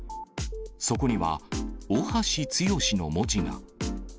そこには、尾橋毅の文字が。